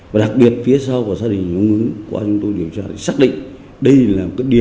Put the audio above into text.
vụ án khép lại xong đã để lại